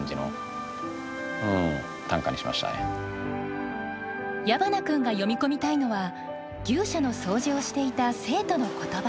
矢花君が詠み込みたいのは牛舎の掃除をしていた生徒の言葉。